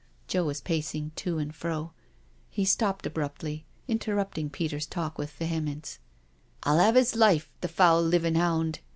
Joe was pacing to and fro. He stopped abruptly,, interrupting Peter's talk with vehemence: " I'll have 'is life— the foul living hound.